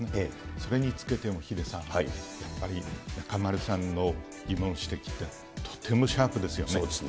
それにつけてもヒデさん、やっぱり中丸さんの今の指摘って、そうですね。